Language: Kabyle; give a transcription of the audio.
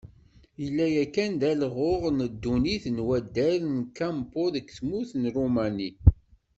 Yellan yakan d alɣuɣ n ddunit n waddal n Kempo deg tmurt n Rumani.